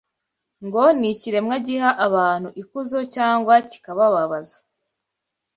ngo ni ikiremwa giha abantu ikuzo cyangwa kikabababaza